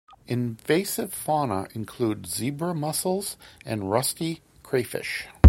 Invasive fauna include zebra mussels and rusty crayfish.